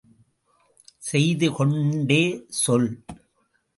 செய்து கொண்டே சொல்!